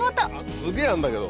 すげぇあんだけど。